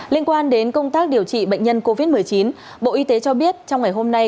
liên quan đến công tác điều trị bệnh nhân covid một mươi chín bộ y tế cho biết trong ngày hôm nay